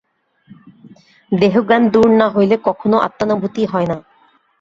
দেহজ্ঞান দূর না হইলে কখনও আত্মানুভূতি হয় না।